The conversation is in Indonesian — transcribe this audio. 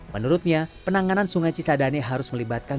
menurutnya penanganan sungai cisadane harus melibatkan